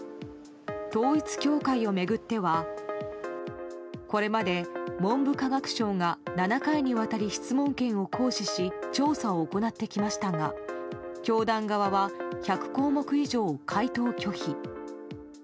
統一教会を巡ってはこれまで文部科学省が７回にわたり質問権を行使し調査を行ってきましたが教団側は１００項目以上を回答拒否。